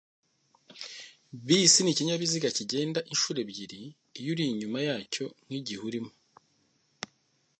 bisi ni ikinyabiziga kigenda inshuro ebyiri iyo uri inyuma yacyo nkigihe urimo